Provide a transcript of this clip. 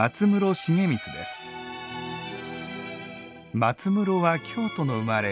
松室は京都の生まれ。